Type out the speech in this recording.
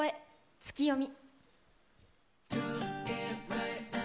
ツキヨミ。